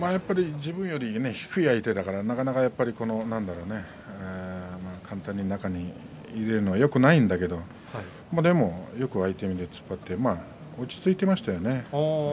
自分より低い相手だからなかなか簡単に中に入れるのはよくないんだけどでも、よく相手を見て突っ張って落ち着いていましたよね。